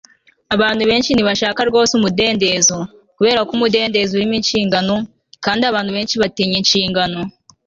abantu benshi ntibashaka rwose umudendezo, kubera ko umudendezo urimo inshingano, kandi abantu benshi batinya inshingano